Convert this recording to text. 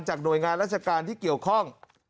หน่วยงานราชการที่เกี่ยวข้อง